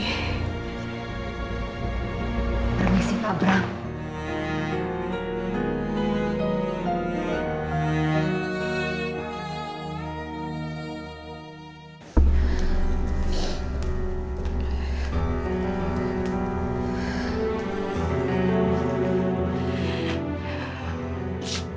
permisi pak bram